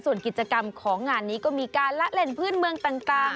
ส่วนกิจกรรมของงานนี้ก็มีการละเล่นพื้นเมืองต่าง